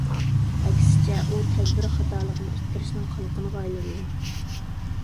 ئەكسىچە ئۇ تەدبىر خاتالىقنى ئىتتىرىشنىڭ قالقىنىغا ئايلىنىدۇ.